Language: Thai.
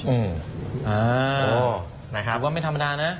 ถูกว่าไม่ธรรมดานะ